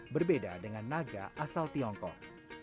berbeda dengan naga asal tiongkok